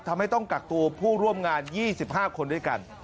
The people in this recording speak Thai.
ต้องกักตัวผู้ร่วมงาน๒๕คนด้วยกัน